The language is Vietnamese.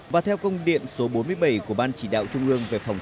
và theo công điện số bốn mươi bảy của ban chỉ đạo trung ương về phòng chống